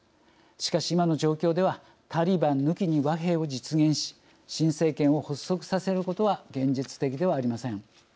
しかし、今の状況ではタリバン抜きに和平を実現し新政権を発足させることは現実的ではありません。